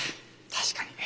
確かに。